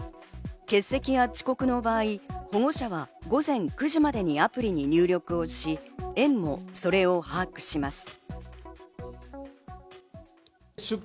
欠席や遅刻の場合、保護者が午前９時までにアプリに入力をし、園もそれを把握します。